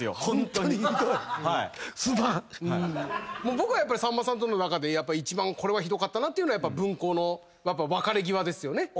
僕はさんまさんとの中で一番ひどかったなというのは分校の別れ際ですよね。